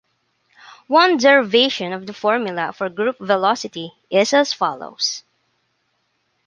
One derivation of the formula for group velocity is as follows.